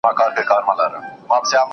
د ټولني دردونه په شریکه دوا کړئ.